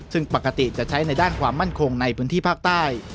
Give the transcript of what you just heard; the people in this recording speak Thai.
ซึ่งปกติจะใช้ในด้านความมั่นคงในพื้นที่ภาคใต้